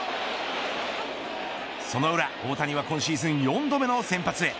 その裏、大谷は今シーズン４度目の先発へ。